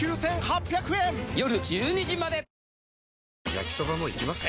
焼きソバもいきます？